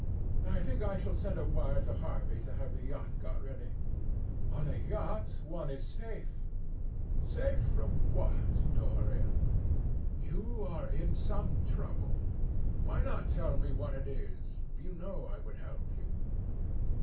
I think I shall send a wire to Harvey to have the yacht got ready. On a yacht one is safe." "Safe from what, Dorian? You are in some trouble. Why not tell me what it is? You know I would help you."